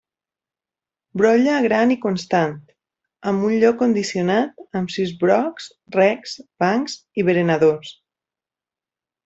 Brolla gran i constant, amb un lloc condicionat amb sis brocs, recs, bancs i berenadors.